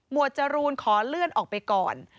จรูนขอเลื่อนออกไปก่อน